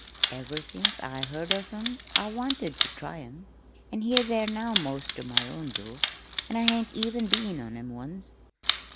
Ever since I heard of 'em I wanted ter try 'em. An' here they are now 'most ter my own door an' I hain't even been in 'em once.